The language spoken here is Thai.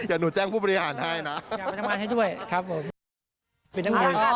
เออจริงเหรอ